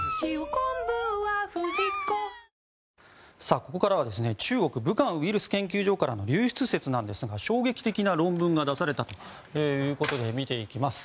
ここからは中国武漢ウイルス研究所からの流出説なんですが衝撃的な論文が出されたということで見ていきます。